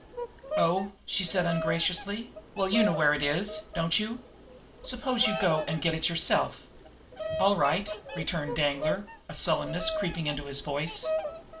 "Oh!" she said ungraciously. "Well, you know where it is, don't you? Suppose you go and get it yourself!" "All right!" returned Danglar, a sullenness creeping into his voice.